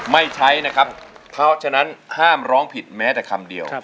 ไม่ใช้นะครับเพราะฉะนั้นห้ามร้องผิดแม้แต่คำเดียว